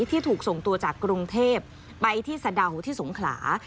ที่ถูกส่งตัวจากกรุงเทพไปที่สะดาวที่สงขลา